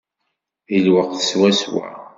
Deg lweqt swaswa!